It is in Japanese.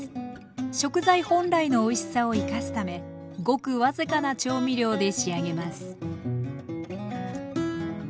食材本来のおいしさを生かすためごく僅かな調味料で仕上げます